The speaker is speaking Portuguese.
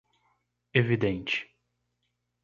Evidente.